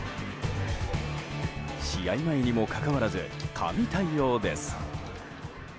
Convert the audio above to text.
試合前にもかかわらず神対応です。